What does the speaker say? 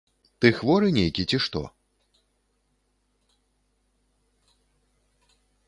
Ты хворы нейкі, ці што?